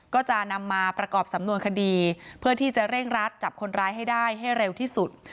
ก็จะนำมาประกอบสำนวนคดีเพื่อที่จะเร่งรัดจับคนร้ายให้ได้ให้เร็วที่สุด